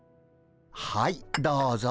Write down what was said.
はいどうぞ。